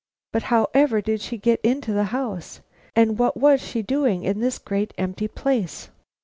But however did she get into the house? And what was she doing in this great empty place?"